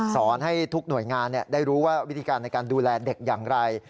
ให้ทุกหน่วยงานได้รู้ว่าวิธีการในการดูแลเด็กอย่างไร